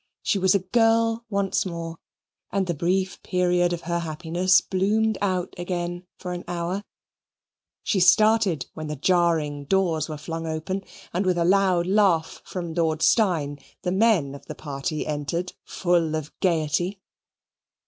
She was a girl once more, and the brief period of her happiness bloomed out again for an hour she started when the jarring doors were flung open, and with a loud laugh from Lord Steyne, the men of the party entered full of gaiety.